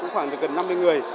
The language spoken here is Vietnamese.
khoảng gần năm mươi người